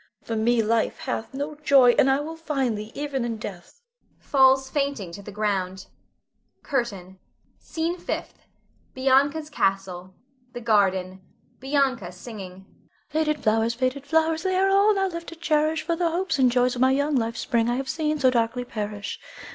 For me life hath no joy, and I will find thee even in death [falls fainting to the ground]. CURTAIN. SCENE FIFTH. [Bianca's castle. The garden. Bianca singing.] Faded flowers, faded flowers, They are all now left to cherish; For the hopes and joys of my young life's spring I have seen so darkly perish.